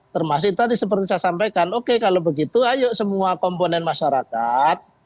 termasuk tadi seperti saya sampaikan oke kalau begitu ayo semua komponen masyarakat